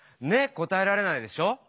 答えられないでしょ？